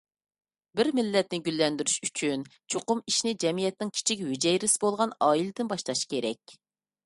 بىر مىللەتنى گۈللەندۈرۈش ئۈچۈن چوقۇم ئىشنى جەمئىيەتنىڭ كىچىك ھۈجەيرىسى بولغان ئائىلىدىن باشلاش كېرەك.